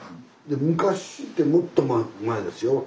昔ってもっと前ですよ。